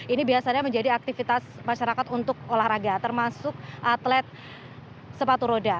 ini biasanya menjadi aktivitas masyarakat untuk olahraga termasuk atlet sepatu roda